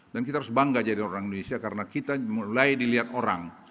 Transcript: dan kita harus bangga jadi orang indonesia karena kita mulai dilihat orang